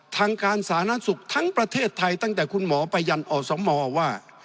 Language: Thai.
ทางการสาธารณสุขทั้งประเทศไทยตั้งแต่คุณหมอไปยันอสมว่า